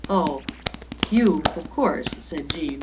" Oh, you, of course," said Jean.